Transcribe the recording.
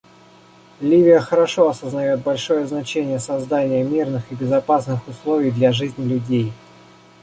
Ливия хорошо осознает большое значение создания мирных и безопасных условий для жизни людей.